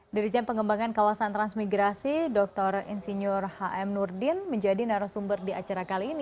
dari jam pengembangan kawasan transmigrasi dr insinyur h m nurdin menjadi narasumber di acara kali ini